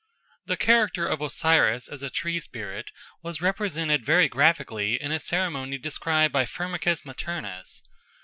The character of Osiris as a tree spirit was represented very graphically in a ceremony described by Firmicus Maternus.